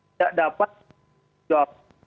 tidak dapat jawab